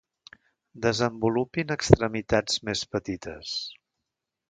Desenvolupin extremitats més petites.